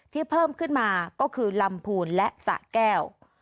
เพิ่มขึ้นมาก็คือลำพูนและสะแก้ว